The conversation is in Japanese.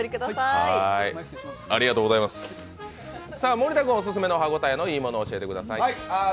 森田君のおすすめの歯ごたえのいいもの教えてください。